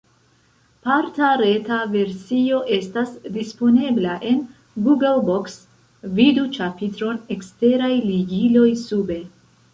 Parta reta versio estas disponebla en Google Books (vidu ĉapitron "Eksteraj ligiloj" sube).